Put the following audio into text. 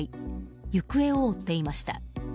行方を追っていました。